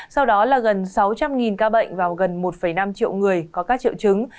sau đó là gần sáu trăm linh ca bệnh và gần một năm triệu người có các triệu chứng